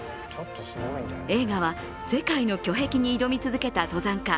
映画は世界の巨壁に挑み続けた登山家